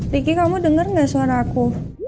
riki kamu denger gak suara aku